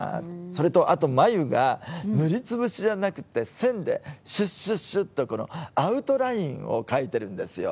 それとあと眉が塗り潰しじゃなくて線でシュッシュッシュッとこのアウトラインを描いてるんですよ。